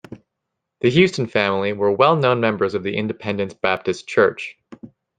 The Houston family were well-known members of the Independence Baptist Church.